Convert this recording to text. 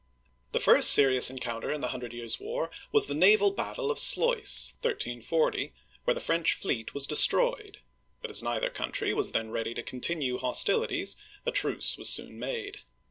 The first serious encounter in the Hundred Years' War was the naval battle of Sluis(slois, 1340), where the French fleet was destroyed ; but as neither country was then ready to continue hostilities, a truce was soon made.